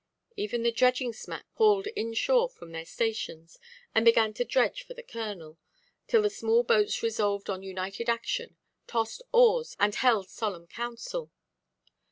Even the dredging smacks hauled in–shore from their stations, and began to dredge for the Colonel; till the small boats resolved on united action, tossed oars, and held solemn council.